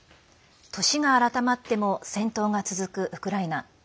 年が改まっても戦闘が続くウクライナ。